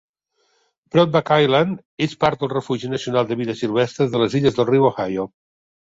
Broadback Island és part del refugi nacional de vida silvestre de les illes del riu Ohio.